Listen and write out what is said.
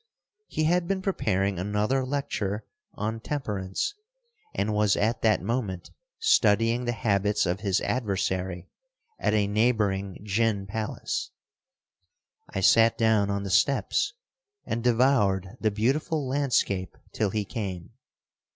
He had been preparing another lecture on temperance, and was at that moment studying the habits of his adversary at a neighboring gin palace. I sat down on the steps and devoured the beautiful landscape till he came.